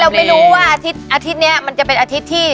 ไม่รู้ว่าอาทิตย์นี้มันจะเป็นอาทิตย์ที่